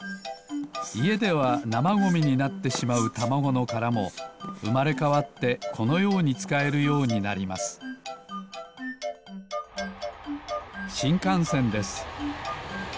いえではなまゴミになってしまうたまごのからもうまれかわってこのようにつかえるようになりますしんかんせんです